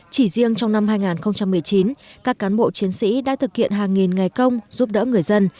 chỉ riêng trong năm hai nghìn một mươi chín các cán bộ chiến sĩ đã thực hiện hàng nghìn ngày công giúp đỡ người dân